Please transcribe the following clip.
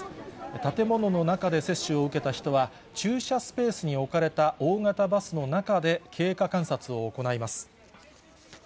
建物の中で接種を受けた人は、駐車スペースに置かれた大型バスの中で経過観察を行います。